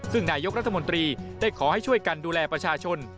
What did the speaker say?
ซึ่งนายกรัฐมนตรีได้ขอให้ช่วยกันดูแลประชาชน